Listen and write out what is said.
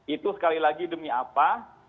itu sekali lagi demi apa